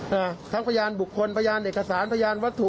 นะฮะทั้งพยานบุคคลพยานเอกสารพยานวัตถุ